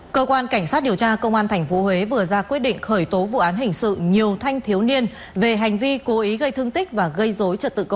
cơ quan cảnh sát điều tra công an tp huế vừa ra quyết định khởi tố vụ án hình sự nhiều thanh thiếu niên về hành vi cố ý gây thương tích và gây dối trật tự công cộng